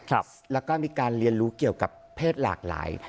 แล้วก็มีการเรียนรู้เกี่ยวกับเพศหลากหลาย